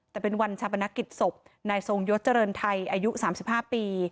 แต่เป็นวันชาปนกิจศพนายทรงยศเจริญไทยอายุ๓๕ปี